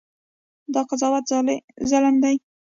دا قضاوت ظلم دی.